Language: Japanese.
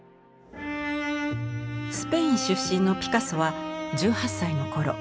スペイン出身のピカソは１８歳のころ